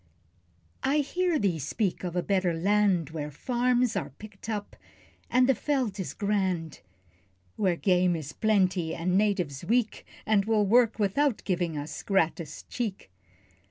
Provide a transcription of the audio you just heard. I hear thee speak of a better land, Where farms are picked up, and the veld is grand; Where game is plenty, and Natives weak, And will work without giving us (gratis) cheek.